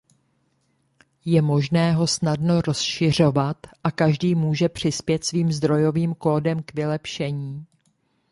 Je možné ho snadno rozšiřovat a každý může přispět svým zdrojovým kódem k vylepšení.